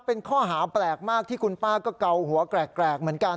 เป็นข้อหาแปลกมากที่คุณป้าก็เกาหัวแกรกเหมือนกัน